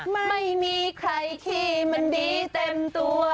ไม่มีใครที่มันดีเต็มตัว